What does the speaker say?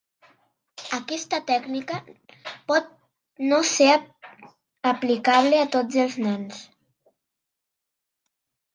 Aquesta tècnica pot no ser aplicable a tots els nens.